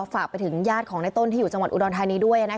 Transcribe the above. ฝากไปถึงญาติของในต้นที่อยู่จังหวัดอุดรธานีด้วย